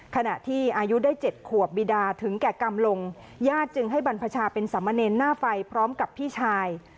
ขณะที่อายุได้๗ขวบบีดาถึงแก่กรรมลงญาติจึงให้บรรพชาเป็นสามเณรหน้าไฟพร้อมกับพี่ชาย